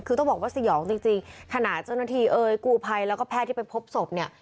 คือต้องบอกว่าสยองจริงขณะเจ้าหน้าที่เอ่ยกูภัยแล้วก็แพทย์ที่ไปพบศพเนี่ย